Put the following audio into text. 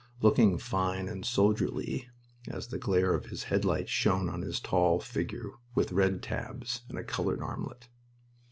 looking fine and soldierly as the glare of his headlights shone on his tall figure with red tabs and a colored armlet.